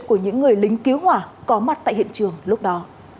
của những người lính cứu hỏa có mặt tại hiện trường lúc đó